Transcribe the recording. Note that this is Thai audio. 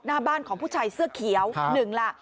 หน้าบ้านของผู้ชายเสื้อเขียวหนึ่งล่ะ